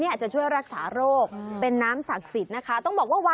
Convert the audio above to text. เลยเหมือนอาหาร